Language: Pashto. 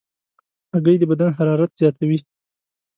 هګۍ د بدن حرارت زیاتوي.